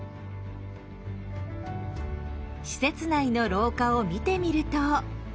施設内の廊下を見てみると。